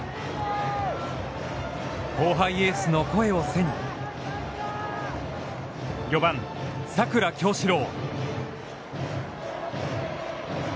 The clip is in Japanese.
後輩エースの声を背に４番、佐倉侠史朗。